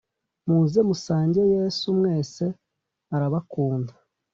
Muze musange yesu mwese arabakunda